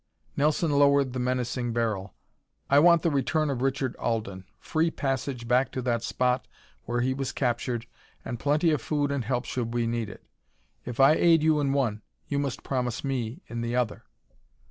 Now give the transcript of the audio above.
Nelson lowered the menacing barrel. "I want the return of Richard Alden, free passage back to that spot where he was captured and plenty of food and help should we need it. If I aid you in one, you must promise me in the other."